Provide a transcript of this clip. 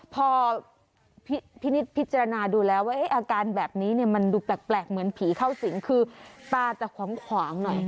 พอพิจารณาดูแลอการแบบนี้มันดูแปลกเหมือนผีเข้าสิงคือปลาจะของหน่อย